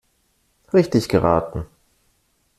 Richtig geraten!